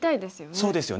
そうですよね。